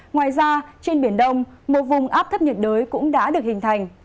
ngoài ra trên biển đông một vùng áp thấp nhiệt đới cũng đã được hình thành